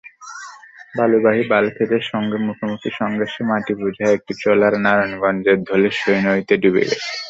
বালুবাহী বাল্কহেডের সঙ্গে মুখোমুখি সংঘর্ষে মাটিবোঝাই একটি ট্রলার নারায়ণগঞ্জের ধলেশ্বরী নদীতে ডুবে গেছে।